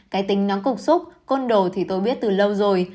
cái tính nó cục xúc côn đồ thì tôi biết từ lâu rồi